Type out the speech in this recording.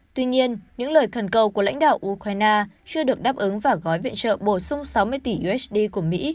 tuy nhiên những lời khẩn cầu của lãnh đạo ukraine chưa được đáp ứng và gói viện trợ bổ sung sáu mươi tỷ usd của mỹ